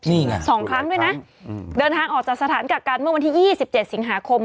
นี่ไง๒ครั้งด้วยนะเดินทางออกจากสถานกักกันเมื่อวันที่๒๗สิงหาคม